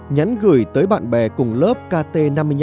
nhắn gửi tới bạn bè cùng lớp kt năm mươi năm